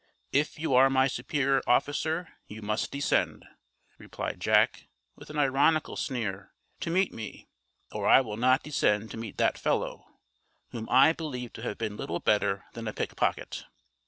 If you are my superior officer, you must descend," replied Jack, with an ironical sneer, "to meet me, or I will not descend to meet that fellow, whom I believe to have been little better than a pickpocket."